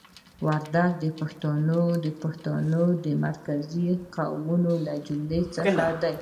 وردګ د پښتنو د مرکزي قومونو له جملې څخه دي.